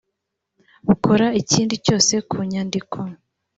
bukora ikindi cyose ku nyandiko